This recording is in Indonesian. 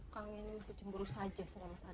kok ditimbul tamunya